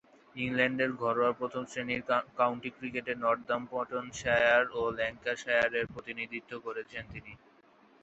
ইংল্যান্ডের ঘরোয়া প্রথম-শ্রেণীর কাউন্টি ক্রিকেটে নর্দাম্পটনশায়ার ও ল্যাঙ্কাশায়ারের প্রতিনিধিত্ব করেছেন তিনি।